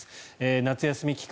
夏休み期間